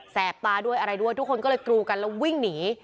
บตาด้วยอะไรด้วยทุกคนก็เลยกรูกันแล้ววิ่งหนี